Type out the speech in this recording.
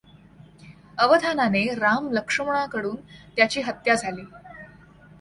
अनवधानाने राम लक्ष्मणाकडून त्याची हत्या झाली.